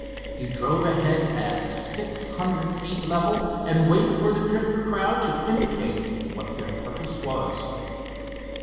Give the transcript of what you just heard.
He drove ahead at a six hundred feet level and waited for the Drifter crowd to indicate what their purpose was.